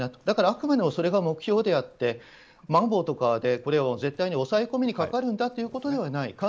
だから、あくまでもそれが目標であってまん防とかで、絶対に抑え込みにかかるんだということではない。